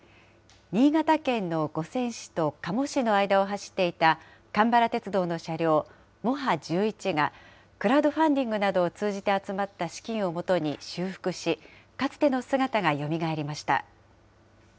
新潟県の五泉市と加茂市の間を走っていた蒲原鉄道の車両、モハ１１が、クラウドファンディングなどを通じて集まった資金を元に修復し、かつての姿がよみがえりました。